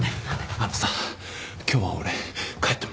あのさ今日は俺帰っても？